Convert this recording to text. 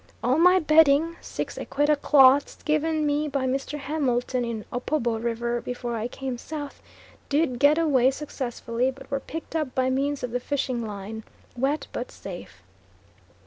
All my bedding, six Equetta cloths, given me by Mr. Hamilton in Opobo River before I came South, did get away successfully, but were picked up by means of the fishing line, wet but safe.